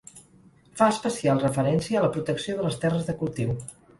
Fa especial referència a la protecció de les terres de cultiu.